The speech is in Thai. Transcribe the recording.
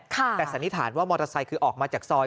แต่สันนิษฐานว่ามอเตอร์ไซค์คือออกมาจากซอย